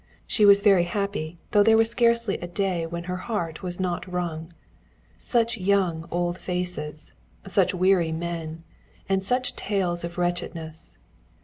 She was very happy, though there was scarcely a day when her heart was not wrung. Such young old faces! Such weary men! And such tales of wretchedness!